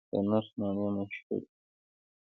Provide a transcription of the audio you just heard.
د نرخ مڼې مشهورې دي